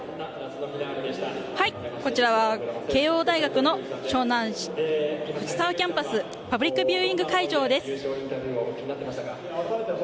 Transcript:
こちらは慶應大学の湘南藤沢キャンパスパブリックビューイング会場です。